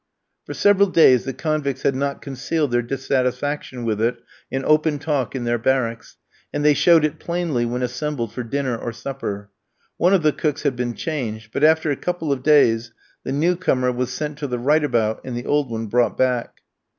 For several days the convicts had not concealed their dissatisfaction with it in open talk in their barracks, and they showed it plainly when assembled for dinner or supper; one of the cooks had been changed, but, after a couple of days, the new comer was sent to the right about, and the old one brought back.